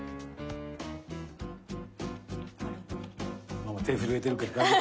ママ手震えてるけど大丈夫？